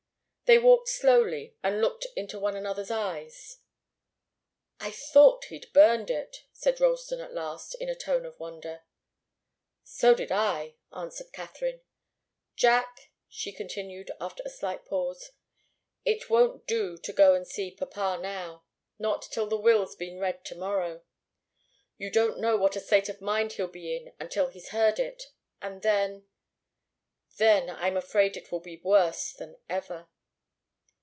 They walked slowly, and looked into one another's eyes. "I thought he'd burned it," said Ralston at last, in a tone of wonder. "So did I," answered Katharine. "Jack," she continued, after a slight pause, "it won't do to go and see papa now. Not till the will's been read to morrow. You don't know what a state of mind he'll be in until he's heard it and then then I'm afraid it will be worse than ever."